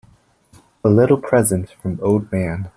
A little present from old man.